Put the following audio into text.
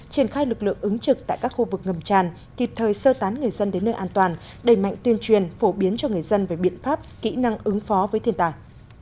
triển khai lực lượng ứng trực tại các khu vực ngầm tràn kịp thời sơ tán người dân đến nơi an toàn đẩy mạnh tuyên truyền phổ biến cho người dân về biện pháp kỹ năng ứng phó với thiên tài